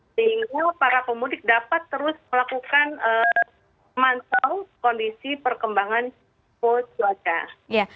sehingga para pemudik dapat terus melakukan pemantau kondisi perkembangan cuaca